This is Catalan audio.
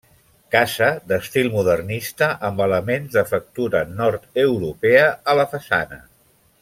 Casa d'estil modernista amb elements de factura nord-europea a la façana.